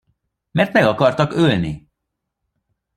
Mert meg akartak ölni!